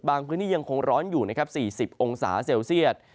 พื้นที่ยังคงร้อนอยู่นะครับ๔๐องศาเซลเซียต